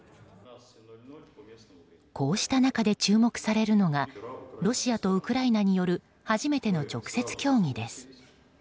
こうした中で注目されるのがロシアとウクライナによる初めての直接協議です。